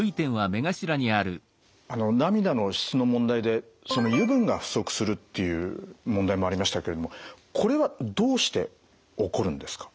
あの涙の質の問題で油分が不足するっていう問題もありましたけれどもこれはどうして起こるんですか？